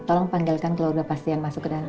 tolong panggilkan keluarga pasien masuk ke dalam